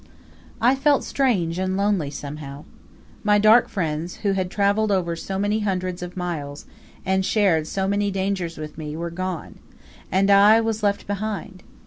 I felt strange and lonely, somehow. My dark friends, who had travelled over so many hundreds of miles, and shared so many dangers with me, were gone, and I was left behind.